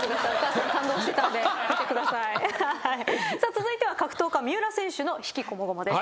続いては格闘家三浦選手の悲喜こもごもです。